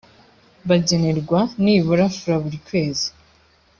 bagenerwa nibura frw buri kwezi